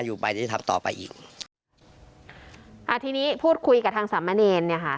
อยู่ไปจะทำต่อไปอีกอ่าทีนี้พูดคุยกับทางสามะเนรเนี่ยค่ะ